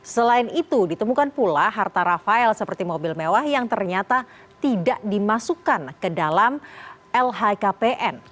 selain itu ditemukan pula harta rafael seperti mobil mewah yang ternyata tidak dimasukkan ke dalam lhkpn